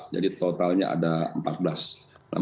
jadi totalnya ada empat belas